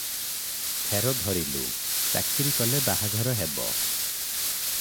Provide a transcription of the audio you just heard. ଫେର ଧରିଲୁ, ଚାକିରି କଲେ ବାହାଘର ହେବ ।